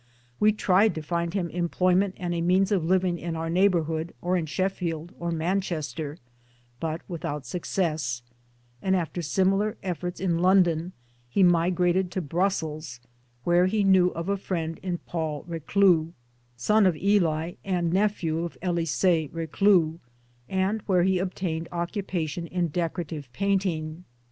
We tried to find him employment and a means of living in our neighborhood or in Sheffield or Manchester, but without success, and after similar efforts in London he migrated to Brussels where he knew of a friend in Paul Reclus, son of Elie and nephew of Elise*e Reclus, and where he obtained occupation in decorative painting.